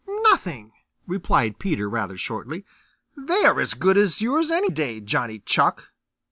"Nothing," replied Peter rather shortly. "They are as good as yours any day, Johnny Chuck."